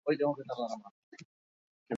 Zazpi milioi lagun inguru dira gaur egun.